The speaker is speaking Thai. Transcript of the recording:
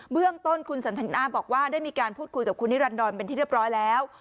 เรื่องต้นคุณสันทนาบอกว่าได้มีการพูดคุยกับคุณนิรันดรเป็นที่เรียบร้อยแล้ว